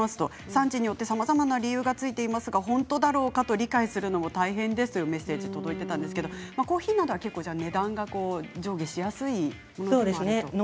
産地によってさまざまな理由がついていますが本当なんだろうかと理解するのは大変ですということなんですがコーヒーは値段が上下しやすいものなんですね。